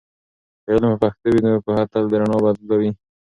که علم په پښتو وي، نو پوهه تل د رڼا بدلوي.